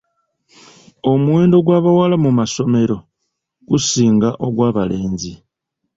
Omuwendo gw'abawala mu masomero gusinga ogw'abalenzi.